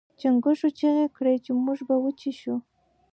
چنګښو چیغې کړې چې موږ به وچې شو.